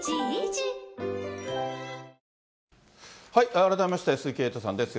改めまして鈴木エイトさんです。